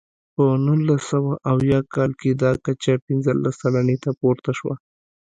په نولس سوه اویا کال کې دا کچه پنځلس سلنې ته پورته شوه.